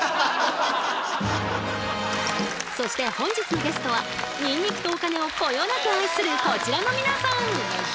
そして本日のゲストはニンニクとお金をこよなく愛するこちらの皆さん。